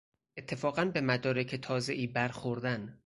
اتفاقا به مدارک تازهای برخوردن